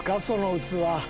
その器。